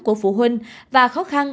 của phụ huynh và khó khăn